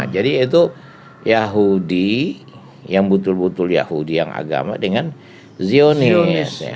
jadi itu yahudi yang betul betul yahudi yang agama dengan zionis